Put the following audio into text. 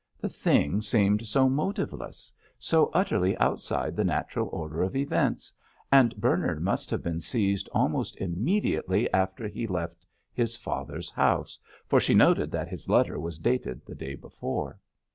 The thing seemed so motiveless, so utterly outside the natural order of events; and Bernard must have been seized almost immediately after he left his father's house, for she noted that his letter was dated the day before.